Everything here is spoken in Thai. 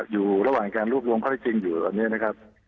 อยู่ระหว่างการรูปยงความรู้จริงอยู่ตอนนี้นะครับ